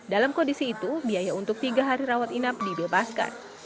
dalam kondisi itu biaya untuk tiga hari rawat inap dibebaskan